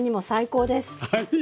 はい。